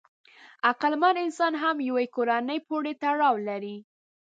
عقلمن انسان هم یوې کورنۍ پورې تړاو لري.